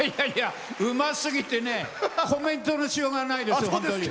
うますぎてね、コメントのしようがないですよ、本当に。